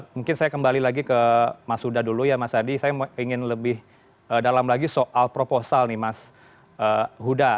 mungkin saya kembali lagi ke mas huda dulu ya mas adi saya ingin lebih dalam lagi soal proposal nih mas huda